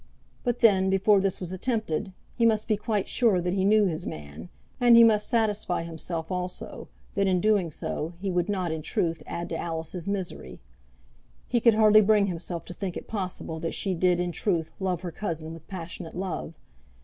But then, before this was attempted, he must be quite sure that he knew his man, and he must satisfy himself also that in doing so he would not, in truth, add to Alice's misery. He could hardly bring himself to think it possible that she did, in truth, love her cousin with passionate love.